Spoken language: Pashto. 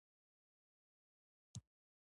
احمد د علي د اوږو بار دی؛ هیڅ کار نه کوي.